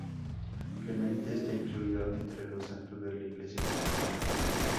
Clemente está incluido entre los santos de la Iglesia cristiana.